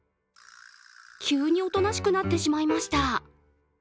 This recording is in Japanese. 急におとなしくなってしまいました。